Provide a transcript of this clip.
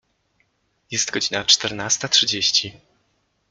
Jest godzina czternasta trzydzieści.